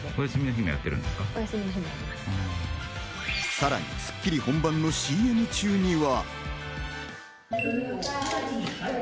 さらに『スッキリ』本番のＣＭ中には。